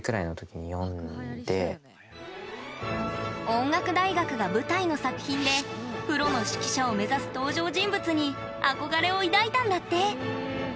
音楽大学が舞台の作品でプロの指揮者を目指す登場人物に憧れを抱いたんだって。